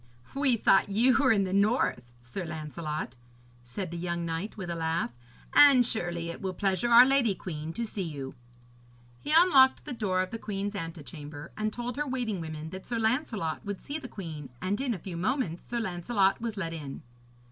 'We thought you were in the north, Sir Lancelot,' said the young knight, with a laugh, 'and surely it will pleasure our lady queen to see you.' He unlocked the door of the queen's antechamber, and told her waiting woman that Sir Lancelot would see the queen, and in a few moments Sir Lancelot was let in.